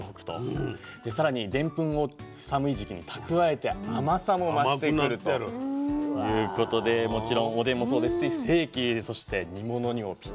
さらにでんぷんを寒い時期に蓄えて甘さも増してくるということでもちろんおでんもそうですしステーキそして煮物にもぴったりと。